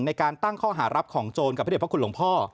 ในการตั้งข้อหารับของโจรกับพระเด็จพระคุณหลวงพ่อ